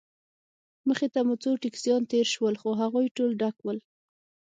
مخې ته مو څو ټکسیان تېر شول، خو هغوی ټول ډک ول.